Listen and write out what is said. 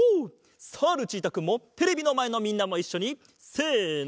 さあルチータくんもテレビのまえのみんなもいっしょにせの。